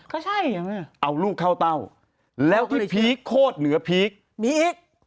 ก็ใช่ใช่ไหมเอาลูกเข้าเต้าแล้วที่พีคโคตรเหนือพีคมีอีก